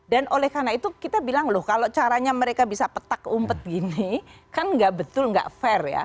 dan oleh karena itu kita bilang loh kalau caranya mereka bisa petak umpet gini kan nggak betul nggak fair ya